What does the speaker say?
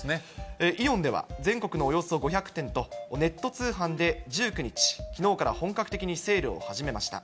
イオンでは全国のおよそ５００店とネット通販で１９日、きのうから本格的にセールを始めました。